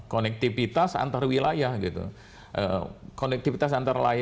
konektivitas antarwilayah gitu konektivitas antarwilayah gitu